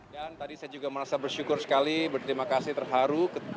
tadi saya juga merasa bersyukur sekali berterima kasih terharu